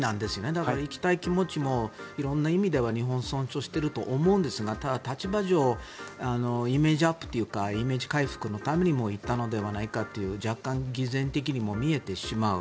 だから行きたい気持ちも色んな意味では日本を尊重していると思うんですがただ、立場上イメージアップというかイメージ回復のためにも行ったのではないかという若干、偽善的にも見えてしまう。